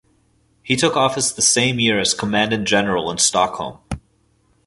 He took office the same year as Commandant General in Stockholm.